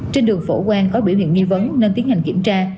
trên đường phổ quang có biểu hiện nghi vấn nên tiến hành kiểm tra